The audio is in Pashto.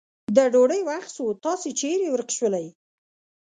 د ډوډی وخت سو تاسو چیري ورک سولې.